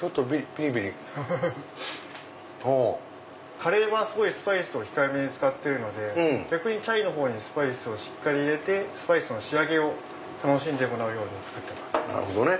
カレーはスパイスを控えめに使ってるので逆にチャイのほうにスパイスをしっかり入れてスパイスの仕上げを楽しんでもらうように作ってます。